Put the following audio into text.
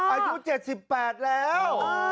อายุ๗๘แล้ว